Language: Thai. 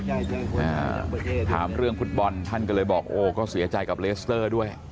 อ่าถามเรื่องฟุตบอลท่านก็เลยบอกโอ้ก็เสียใจกับเลสเตอร์ด้วย